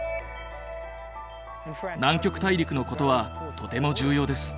南極大陸のことはとても重要です。